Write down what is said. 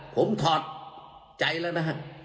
ผมถอดใจแล้วนะฮะ